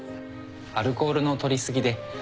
アルコールの取り過ぎで。